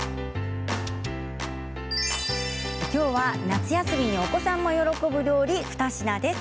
きょうは夏休みにお子さんも喜ぶ料理、２品です。